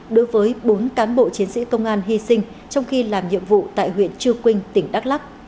đối với bốn cán bộ chiến sĩ công an hy sinh trong khi làm nhiệm vụ tại huyện chư quynh tỉnh đắk lắc